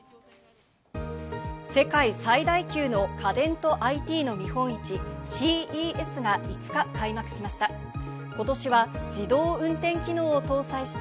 世界最大級の家電とＩＴの見本市・ＣＥＳが５日、開幕しました。